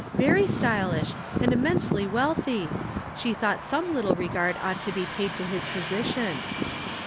" Very stylish, and immensely wealthy. She thought some little regard ought to be paid to his posi tion."